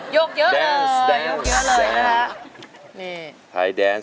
โยกเยอะเลยโยกเยอะเลยนะคะ